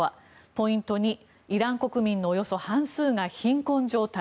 ポイント２、イラン国民のおよそ半数が貧困状態。